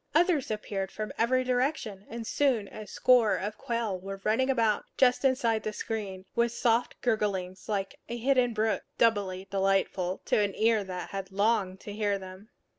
Others appeared from every direction, and soon a score of quail were running about, just inside the screen, with soft gurglings like a hidden brook, doubly delightful to an ear that had longed to hear them.